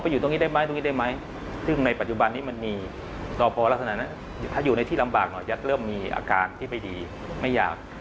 ยัดเริ่มมีอาการที่ไม่ดีไม่ยาก